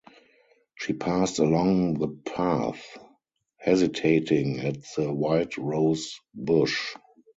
She passed along the path, hesitating at the white rose-bush.